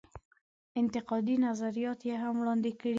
انتقادي نظرات یې هم وړاندې کړي دي.